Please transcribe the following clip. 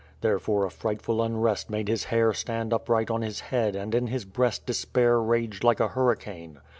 Therefore a frightful unrest made his hair stand upright on his head and in his breast despair raged like a hurricane.